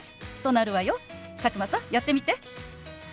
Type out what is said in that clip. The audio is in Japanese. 佐久間さんやってみて！